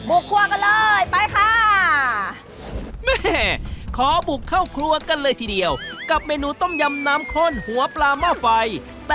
บุคครัวเปิดสุดลับการทำเมนูต้มยำน้ำคนหัวปลาหม้อไฟ